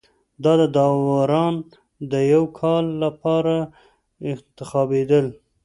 دا داوران د یوه کال لپاره انتخابېدل